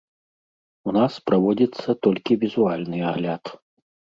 У нас праводзіцца толькі візуальны агляд.